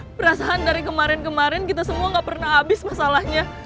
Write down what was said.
perasaan dari kemarin kemarin kita semua gak pernah habis masalahnya